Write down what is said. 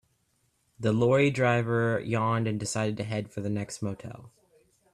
The lorry driver yawned and decided to head for the next motel.